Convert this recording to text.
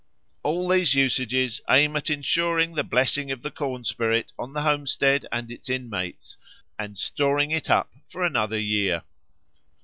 All these usages aim at ensuring the blessing of the corn spirit on the homestead and its inmates and storing it up for another year.